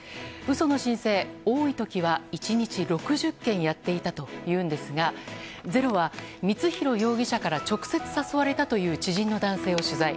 嘘の申請、多い時は１日６０件やっていたというんですが「ｚｅｒｏ」は光弘容疑者から直接誘われたという知人の男性を取材。